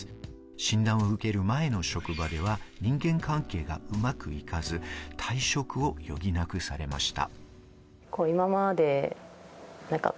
診断を受ける前の職場では人間関係がうまくいかず、退職を余儀なくされました。